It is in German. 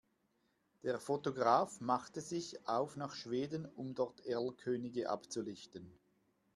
Der Fotograf machte sich auf nach Schweden, um dort Erlkönige abzulichten.